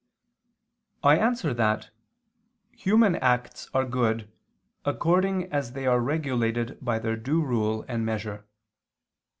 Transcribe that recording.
I answer that, Human acts are good according as they are regulated by their due rule and measure.